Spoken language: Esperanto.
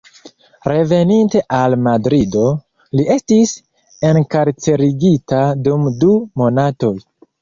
Reveninte al Madrido, li estis enkarcerigita dum du monatoj.